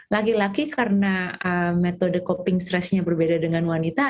laki laki karena metode copping stressnya berbeda dengan wanita